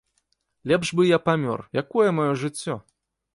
Лепш бы я памёр, якое маё жыццё?